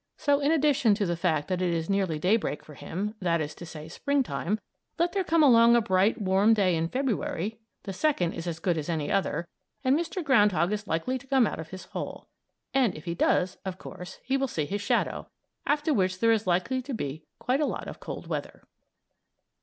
So in addition to the fact that it is nearly daybreak for him that is to say, Springtime let there come along a bright, warm day in February the second is as good as any other and Mr. Ground Hog is likely to come out of his hole. And, if he does, of course he will see his shadow, after which there is likely to be quite a lot of cold weather.